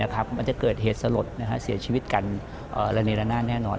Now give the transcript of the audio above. มันจะเกิดเหตุสลดเสียชีวิตกันระเนละนาดแน่นอน